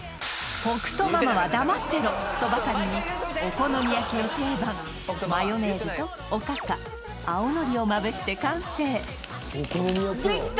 北斗ママは黙ってろ！とばかりにお好み焼きの定番マヨネーズとおかか青のりをまぶして完成できた！